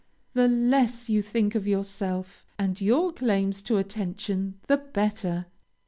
The less you think of yourself and your claims to attention, the better.